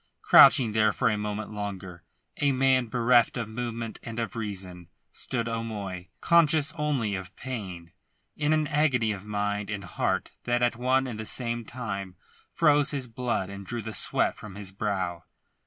Crouching there for a moment longer, a man bereft of movement and of reason, stood O'Moy, conscious only of pain, in an agony of mind and heart that at one and the same time froze his blood and drew the sweat from his brow.